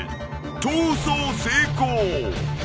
［逃走成功！］